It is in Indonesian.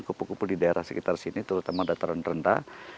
kupu kupu di daerah sekitar sini terutama dataran rendah